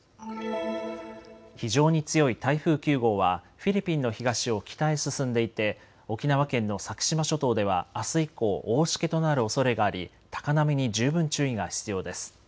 非常に強い台風９号はフィリピンの東を北へ進んでいて沖縄県の先島諸島ではあす以降、大しけとなるおそれがあり高波に十分注意が必要です。